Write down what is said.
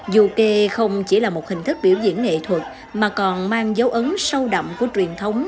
du ke không chỉ là một hình thức biểu diễn nghệ thuật mà còn mang dấu ấn sâu đậm của truyền thống